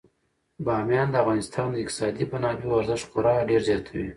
بامیان د افغانستان د اقتصادي منابعو ارزښت خورا ډیر زیاتوي.